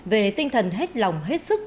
về tinh thần hết lòng hết sức